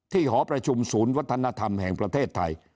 หอประชุมศูนย์วัฒนธรรมแห่งประเทศไทย